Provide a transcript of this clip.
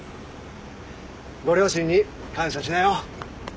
ご両親に感謝しなよ。